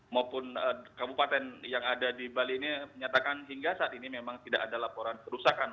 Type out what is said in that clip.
maupun kabupaten yang ada di bali ini menyatakan hingga saat ini memang tidak ada laporan kerusakan